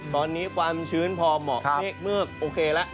ตอนนี้ความชื้นพอเหมาะเมฆโอเคแล้ว